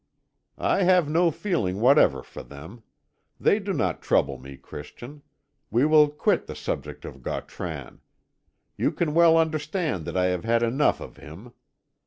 "I have no feeling whatever for them; they do not trouble me. Christian, we will quit the subject of Gautran; you can well understand that I have had enough of him.